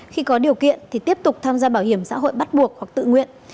khi có điều kiện thì tiếp tục tham gia bảo hiểm xã hội bắt buộc hoặc tự nguyện